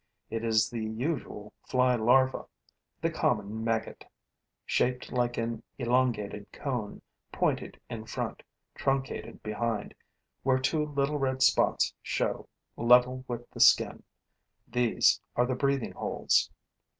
It is the usual fly larva, the common maggot, shaped like an elongated cone, pointed in front, truncated behind, where two little red spots show, level with the skin: these are the breathing holes.